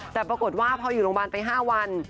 แต่ปรากฏว่าพออยู่โรงพยาบาลไป๕วัน